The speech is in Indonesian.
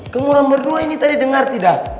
kemurahan berdua ini tadi dengar tidak